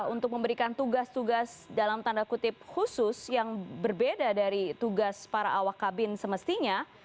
untuk memberikan tugas tugas dalam tanda kutip khusus yang berbeda dari tugas para awak kabin semestinya